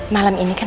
malam ini kan